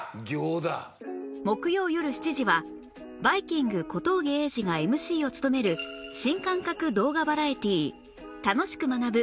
木曜よる７時はバイきんぐ小峠英二が ＭＣ を務める新感覚動画バラエティー『楽しく学ぶ！